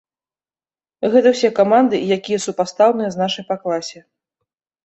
Гэта ўсе каманды, якія супастаўныя з нашай па класе.